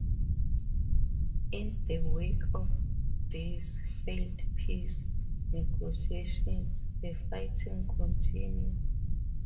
In the wake of these failed peace negotiations, the fighting continued.